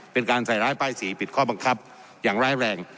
เป็นการใส่ร้ายป้ายสีปิดข้อบังคับอย่างร้ายแรง